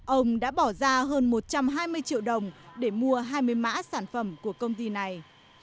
ông đã bỏ ra hơn một trăm hai mươi triệu đồng để mua hai mươi mã sản phẩm của công ty này